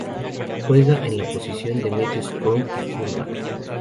Juega en la posición Medio Scrum y Fullback.